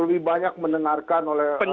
lebih banyak mendengarkan oleh mas hensat